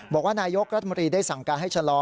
บอกว่านายกรัฐมนตรีได้สั่งการให้ชะลอ